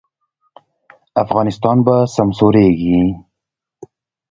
افغانستان به سمسوریږي؟